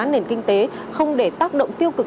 nền kinh tế không để tác động tiêu cực